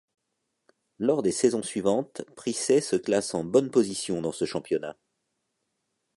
Lors des saisons suivantes, Prissé se classe en bonne position dans ce championnat.